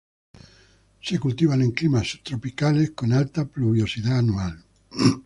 Se cultivan en climas subtropicales, con alta pluviosidad anual.